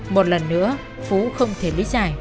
một lần nữa phú không thể lý giải